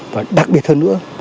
và đặc biệt hơn nữa